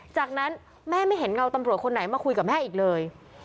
จากนั้นแม่ไม่เห็นเงาตำรวจคนไหนมาคุยกับแม่อีกเลย